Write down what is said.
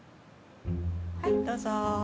はいどうぞ。